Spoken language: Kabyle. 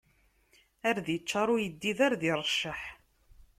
Ar d iččaṛ uyeddid, ar d iṛecceḥ.